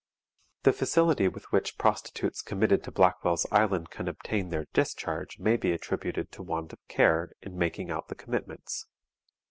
The facility with which prostitutes committed to Blackwell's Island can obtain their discharge may be attributed to want of care in making out the commitments.